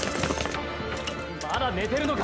まだ寝てるのか？